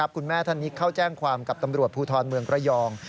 คุณแม่ท่านนี้เข้าแจ้งความกับตำรวจภูทรเมืองระยอง